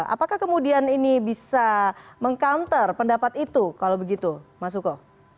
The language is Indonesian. apakah kemudian ini bisa meng counter pendapat itu kalau begitu mas suko